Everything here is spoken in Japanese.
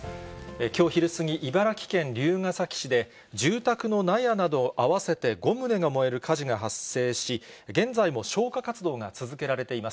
きょう昼過ぎ、茨城県龍ケ崎市で、住宅の納屋など合わせて５棟が燃える火事が発生し、現在も消火活動が続けられています。